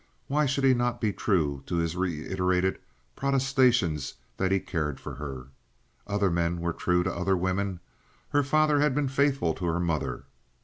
Why should he not be true to his reiterated protestations that he cared for her? Other men were true to other women. Her father had been faithful to her mother.